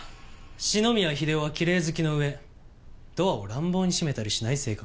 四ノ宮英夫はきれい好きの上ドアを乱暴に閉めたりしない性格だった。